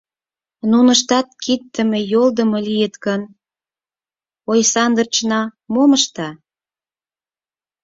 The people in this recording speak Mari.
Нуныштат киддыме-йолдымо лийыт гын, Ойсандрычна мом ышта?